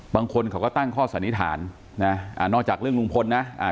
บางคนเขาก็ตั้งข้อสันนิษฐานนะอ่านอกจากเรื่องลุงพลนะอ่า